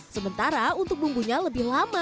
sementara untuk bumbunya lebih lama